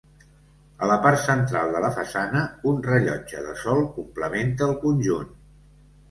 A la part central de la façana, un rellotge de sol complementa el conjunt.